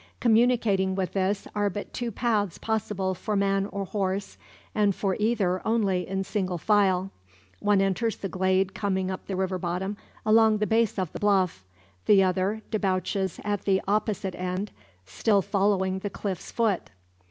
Communicating with this are but two paths possible for man or horse, and for either only in single file. One enters the glade coming up the river bottom along the base of the bluff; the other debouches at the opposite end, still following the cliff's foot.